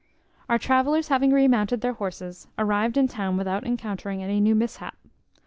Our travellers having remounted their horses, arrived in town without encountering any new mishap.